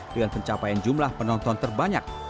dengan pencapaian jumlah penonton terbanyak